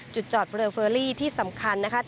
จอดเรือเฟอรี่ที่สำคัญนะคะ